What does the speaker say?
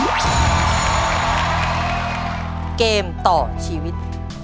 เกมต่อชีวิต